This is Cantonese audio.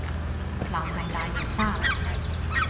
藍係大嶼山